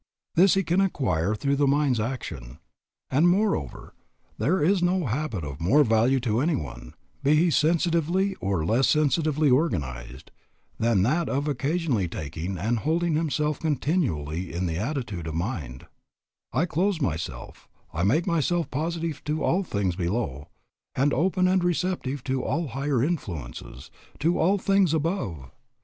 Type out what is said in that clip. This he can acquire through the mind's action. And, moreover, there is no habit of more value to anyone, be he sensitively or less sensitively organized, than that of occasionally taking and holding himself continually in the attitude of mind I close myself, I make myself positive to all things below, and open and receptive to all higher influences, to all things above.